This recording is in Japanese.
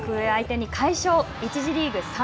格上相手に快勝。